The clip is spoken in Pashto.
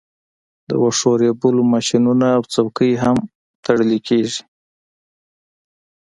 د واښو ریبلو ماشینونه او څوکۍ هم ټولې کیږي